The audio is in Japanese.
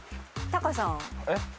タカさん